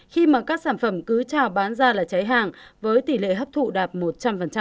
khi mà các sản phẩm cứ trào bán ra là trái hàng với tỷ lệ hấp thụ đạt một trăm linh